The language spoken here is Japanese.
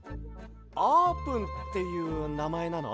あーぷんっていうなまえなの？